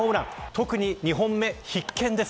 特に２本目必見です。